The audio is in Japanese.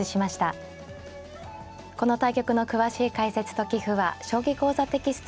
この対局の詳しい解説と棋譜は「将棋講座」テキストに掲載します。